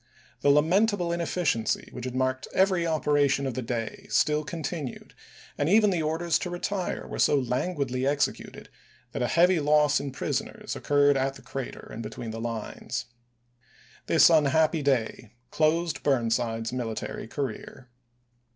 The lamentable inefficiency which had marked every operation of the day still continued, and even the orders to retire were so languidly executed that a heavy loss in prisoners occurred at the crater and between the lines.1 This unhappy day closed Burnside's military career.